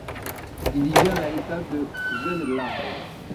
Il hiverne à l'état de jeune larve.